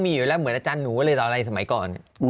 มีอยู่แล้วเหมือนอาจารย์หนูเลยต่ออะไรสมัยก่อน